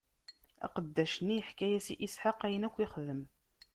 Aqeddac-nni yeḥka-yas i Isḥaq ayen akk ixdem.